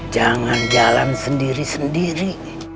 jangan jalan sendiri sendiri